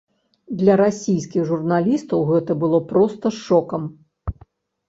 Для расійскіх журналістаў гэта было проста шокам.